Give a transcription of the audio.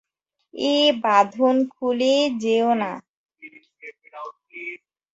এ বাঁধন খুলে যেওনা।